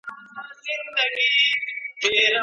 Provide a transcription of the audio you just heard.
په څه سپک نظر به گوري زموږ پر لوري